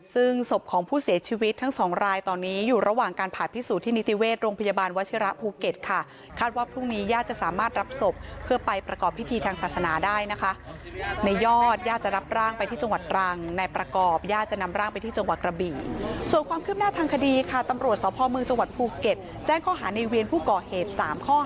ซึ่งศพของผู้เสียชีวิตทั้ง๒รายตอนนี้อยู่ระหว่างการผ่านพิสูจน์ที่นิติเวศโรงพยาบาลวัชิระภูเก็ตค่ะคาดว่าพรุ่งนี้ย่าจะสามารถรับศพเพื่อไปประกอบพิธีทางศาสนาได้นะคะในยอดย่าจะรับร่างไปที่จังหวัดรังในประกอบย่าจะนำร่างไปที่จังหวัดกระบิส่วนความคลิบหน้าทางคดีค่ะตำรวจส